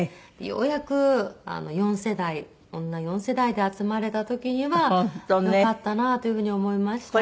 ようやく４世代女４世代で集まれた時にはよかったなという風に思いました。